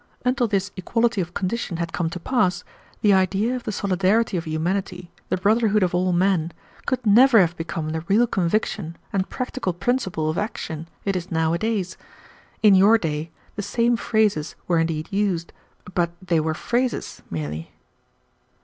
Until this equality of condition had come to pass, the idea of the solidarity of humanity, the brotherhood of all men, could never have become the real conviction and practical principle of action it is nowadays. In your day the same phrases were indeed used, but they were phrases merely."